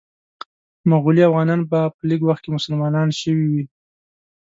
مغولي اوغانیان به په لږ وخت کې مسلمانان شوي وي.